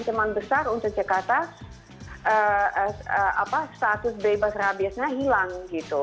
jadi itu adalah hal yang besar untuk jakarta status bebas rabiesnya hilang gitu